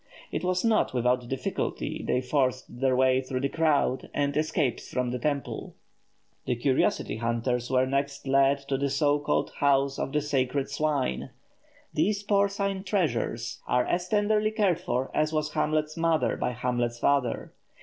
It was not without difficulty they forced their way through the crowd, and escaped from the temple. The curiosity hunters were next led to the so called House of the Sacred Swine. These porcine treasures are as tenderly cared for as was Hamlet's mother by Hamlet's father.